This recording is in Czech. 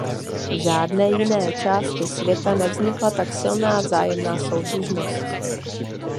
V žádné jiné části světa nevznikla tak silná vzájemná soudržnost.